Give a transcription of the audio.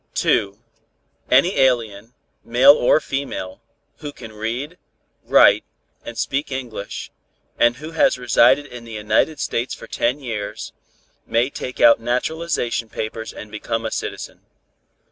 2. Any alien, male or female, who can read, write and speak English, and who has resided in the United States for ten years, may take out naturalization papers and become a citizen.